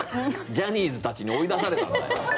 ジャニーズたちに追い出されたんだよ。